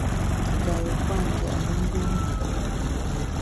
Tita yü pua’ ndia mbe gbî ṅweri.